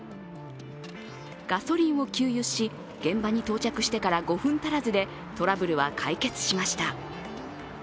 ガソリンを給油し、現場に到着してから５分足らずでトラブルは解決しました。